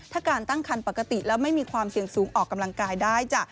ถ้าการตั้งคันปกติแล้วไม่มีความเสี่ยงสูงออกกำลังกายได้จ้ะ